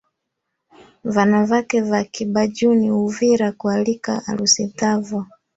Vanavake va kibajuni huvira kualika harusi dhavo.